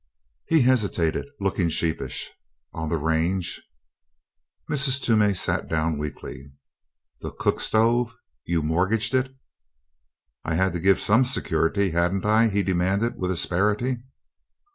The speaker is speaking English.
He hesitated, looking sheepish. "On the range." Mrs. Toomey sat down weakly. "The cook stove! You mortgaged it?" "I had to give some security, hadn't I?" he demanded with asperity.